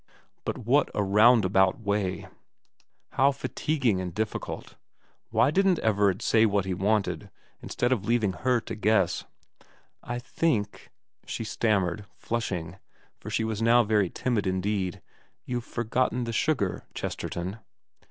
But what a roundabout way ; how fatiguing and difficult. Why didn't Everard say what he wanted, instead of leaving her to guess ? 270 VERA ' I think ' she stammered, flushing, for she was now very timid indeed, ' you've forgotten the sugar, Chesterton.'